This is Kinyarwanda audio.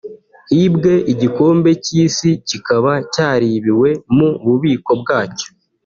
hibwe igikombe cy’isi kikaba cyaribiwe mu bubiko bwacyo